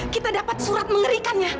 kita dapat surat mengerikannya